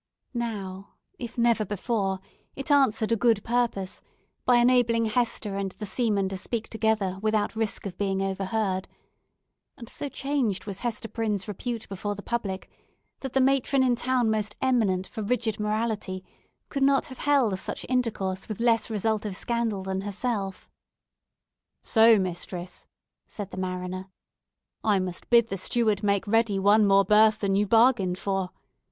Now, if never before, it answered a good purpose by enabling Hester and the seaman to speak together without risk of being overheard; and so changed was Hester Prynne's repute before the public, that the matron in town, most eminent for rigid morality, could not have held such intercourse with less result of scandal than herself. "So, mistress," said the mariner, "I must bid the steward make ready one more berth than you bargained for!